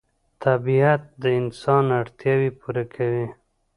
طبیعت د انسان اړتیاوې پوره کوي